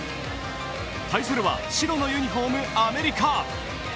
対するは白のユニフォームアメリカ。